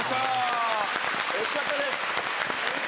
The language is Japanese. おいしかったです！